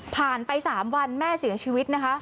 ผ่านไป๓วันแม่เสียชีวิตนะคะ